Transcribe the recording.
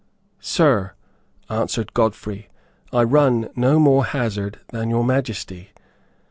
"Sir," answered Godfrey, "I run no more hazard than Your Majesty."